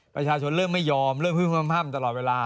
ประชาชนเริ่มไม่ยอมเริ่มฮึ้มตลอดเวลา